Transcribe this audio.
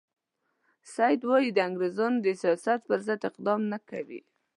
سید وایي د انګریزانو د سیاست پر ضد اقدام نه کوي.